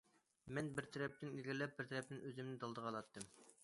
مەن بىر تەرەپتىن ئىلگىرىلەپ، بىر تەرەپتىن ئۆزۈمنى دالدىغا ئالاتتىم.